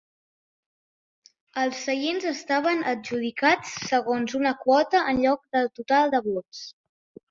Els seients estaven adjudicats segons una quota en lloc del total de vots.